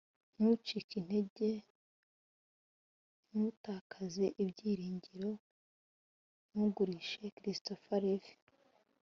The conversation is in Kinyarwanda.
ntucike intege. ntutakaze ibyiringiro. ntugurishe. - christopher reeve